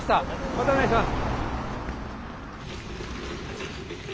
またお願いします。